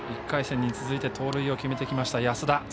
１回戦に続いて盗塁を決めてきた安田。